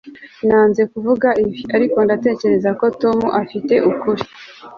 nanze kuvuga ibi, ariko ndatekereza ko tom afite ukuri